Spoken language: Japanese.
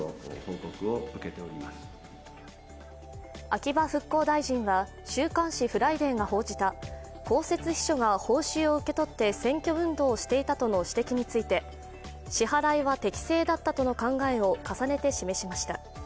秋葉復興大臣は週刊誌「フライデー」が報じた公設秘書が報酬を受け取って選挙運動をしていたとの指摘について支払いは適正だったの考えを重ねて示しました。